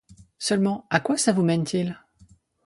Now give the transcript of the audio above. Seulement, à quoi ça vous mène-t-il?